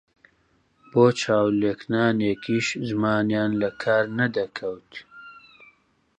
بۆ چاو لێکنانێکیش زمانیان لە کار نەدەکەوت